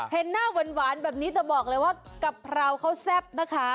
เห็นหน้าหวานแบบนี้จะบอกเลยว่ากะเพราเขาแซ่บนะคะ